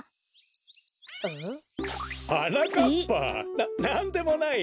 ななんでもないよ。